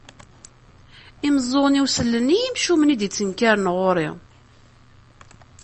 Imeẓẓuɣen-iw sellen i yimcumen i d-ittnekkaren ɣur-i.